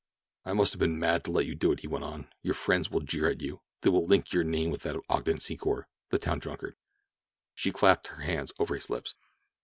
"I must have been mad to let you do it," he went on. "Your friends will jeer at you. They will link your name with that of Ogden Secor, the town drunkard—" She clapped her hand over his lips.